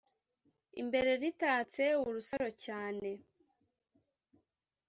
imbere ritatse urusaro cyane,